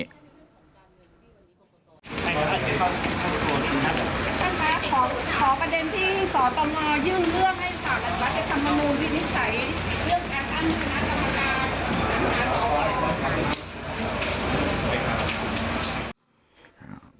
ขอประเด็นที่สอตมยื่นเงื่องให้สหรัฐวัฒนธรรมนูนที่นิสัยเรื่องการกั้นขณะกรรมกาล